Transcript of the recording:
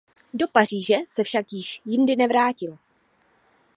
Do Paříže se však již nikdy nevrátil.